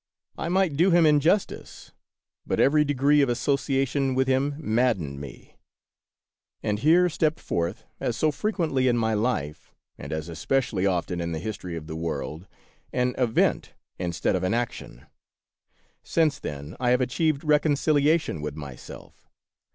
I might do him injustice, but every degree of association with him maddened me. And here stepped forth, as so frequently in my life, — and as especially often in the history of the world, — an event instead of an action. Since then I have achieved reconcili ation with myself.